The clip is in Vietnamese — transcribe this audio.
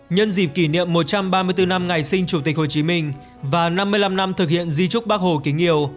nhân dịp kỷ niệm một trăm ba mươi bốn năm ngày sinh chủ tịch hồ chí minh và năm mươi năm năm thực hiện di trúc bác hồ kính yêu